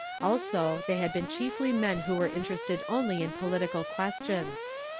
vMso they had )>een chiefly men who were interested only in political questions.